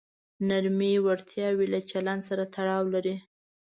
نرمې وړتیاوې له چلند سره تړاو لري.